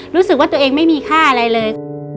รู้สึกว่าตัวเองไม่มีค่าอะไรเลย